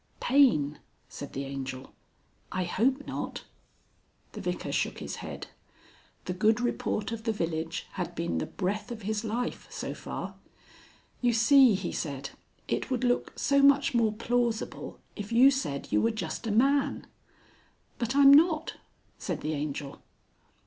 Pain," said the Angel. "I hope not." The Vicar shook his head. The good report of the village had been the breath of his life, so far. "You see," he said, "it would look so much more plausible if you said you were just a man." "But I'm not," said the Angel.